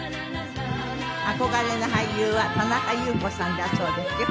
憧れの俳優は田中裕子さんだそうですよ。